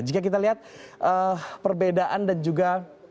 jika kita lihat perbedaan dan juga